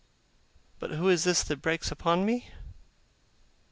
But who is this that breaks upon me?